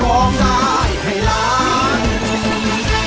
ของใจให้รัก